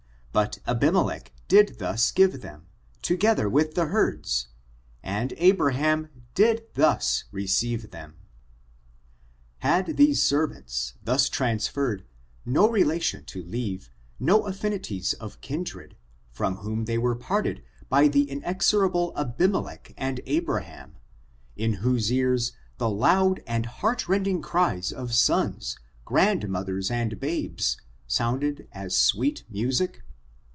But Abimelech did thus give them, together with the herds, and Abraham did thus receive them. Had these servants, thus transferred, no relation to leave, no affinities of kindred, from whom they were parted by the inexorable Abimelech and Abraham, in whose ears the loud and heart rending cries of sons, grandmothers and babes, sounded as sweet music?